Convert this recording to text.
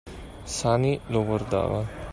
Sani lo guardava.